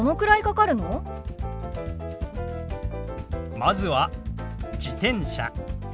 まずは「自転車」。